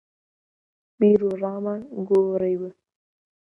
بیروڕامان گۆڕیوە.